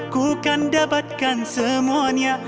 ku kan dapatkan semuanya